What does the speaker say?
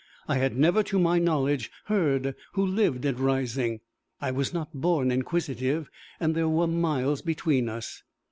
I had never to my knowledge heard who lived at Rising. I was not born inquisitive, and there were miles between us.